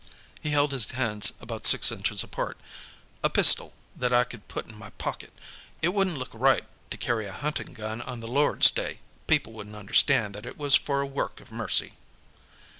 He held his hands about six inches apart. "A pistol, that I could put in my pocket. It wouldn't look right, to carry a hunting gun on the Lord's day; people wouldn't understand that it was for a work of mercy."